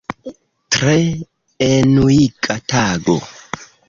Tre enuiga tago.